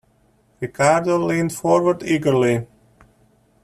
Ricardo leaned forward eagerly.